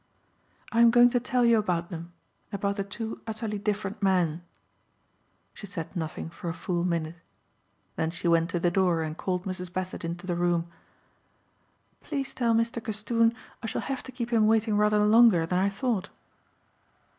"I am going to tell you about them about the two utterly different men." She said nothing for a full minute. Then she went to the door and called Mrs. Bassett into the room. "Please tell Mr. Castoon I shall have to keep him waiting rather longer than I thought."